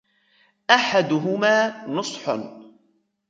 أَحَدُهُمَا نُصْحٌ